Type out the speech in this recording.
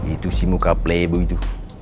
itu sih muka plebo itu